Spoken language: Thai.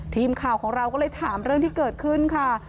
ทีมข่าวของเราก็เลยถามเรื่องที่เกิดขึ้นค่ะ